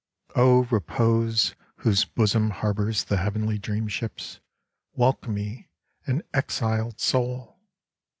O Repose, whose bosom harbours the heavenly dream ships, welcome me, an exiled soul